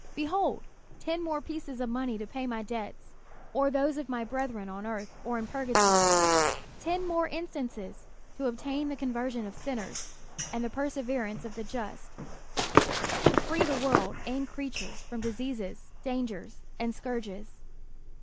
Behold ten more pieces of money to pay my debts, or those of my brethren on earth or in purgatory, ten more instances to obtain the conversion of sinners and the perseverance of the just; to free the world and creatures from diseases, dangers and scourges.